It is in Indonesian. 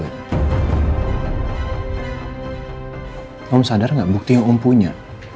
kamu sadar nggak bukti yang umpunya